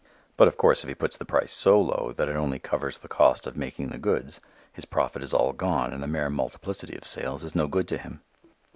But, of course, if he puts the price so low that it only covers the cost of making the goods his profit is all gone and the mere multiplicity of sales is no good to him.